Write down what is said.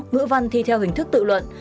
ngữ văn thi theo hình thức tự luận